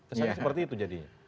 kesannya seperti itu jadinya